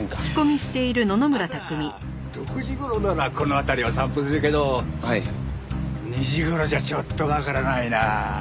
朝６時頃ならこの辺りを散歩するけど２時頃じゃちょっとわからないな。